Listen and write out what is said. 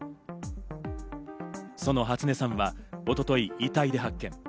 その初音さんは一昨日、遺体で発見。